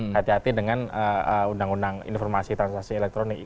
hati hati dengan undang undang informasi transaksi elektronik